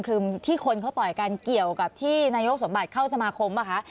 คือที่คนเขาต่อยกันเกี่ยวกับที่นายกสมบัติเข้าสมาคมป่ะคะ